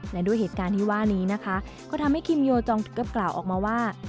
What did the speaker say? และด้วยเหตุการณ์ที่ว่านี้นะคะก็ทำให้คิมโยจองก็กล่าวออกมาว่า